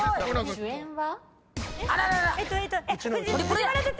主演は？